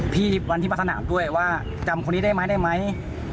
พี่วันที่ผ่านสนามด้วยว่าจำคนนี้ได้ไหม